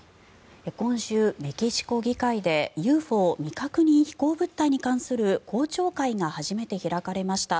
今週、メキシコ議会でＵＦＯ・未確認飛行物体に関する公聴会が初めて開かれました。